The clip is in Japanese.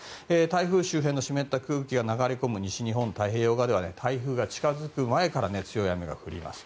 台風周辺の湿った空気が流れ込む西日本太平洋側では台風が近づく前から強い雨が降ります。